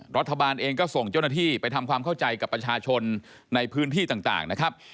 รัฐบาลเองก็ส่งเจ้าหน้าที่ไปทำความเข้าใจกับประชาชนในพื้นที่ต่างนะครับ